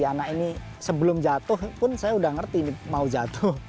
anak ini sebelum jatuh pun saya udah ngerti mau jatuh